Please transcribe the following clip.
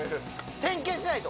点検しないと。